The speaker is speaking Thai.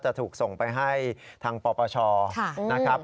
จะถูกส่งไปให้ทางปปชนะครับ